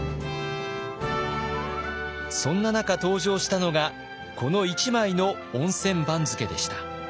そんな中登場したのがこの１枚の温泉番付でした。